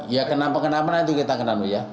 ya kenapa kenapa itu kita kenal ya